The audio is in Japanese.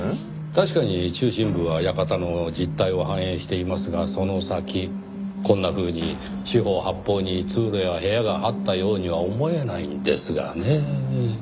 確かに中心部は館の実態を反映していますがその先こんなふうに四方八方に通路や部屋があったようには思えないんですがねぇ。